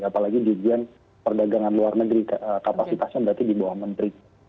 apalagi dirjen perdagangan luar negeri kapasitasnya berarti di bawah menteri